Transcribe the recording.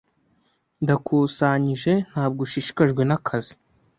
Ndakusanyije ntabwo ushishikajwe nakazi.